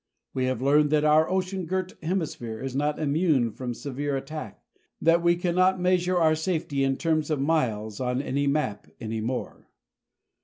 We have learned that our ocean girt hemisphere is not immune from severe attack that we cannot measure our safety in terms of miles on any map any more.